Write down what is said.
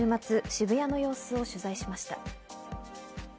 渋谷の様子を取材しました。